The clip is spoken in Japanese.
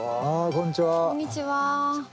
こんにちは。